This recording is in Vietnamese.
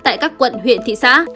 tại các quận huyện thị xã